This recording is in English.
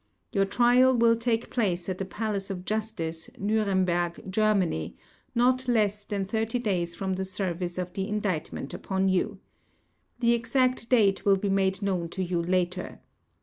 Your trial will take place at the Palace of Justice, Nuremberg, Germany, not less than 30 days from the service of the indictment upon you. The exact date will be made known to you later.